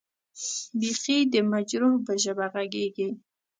بېخي دې د مجروح به ژبه غږېږې.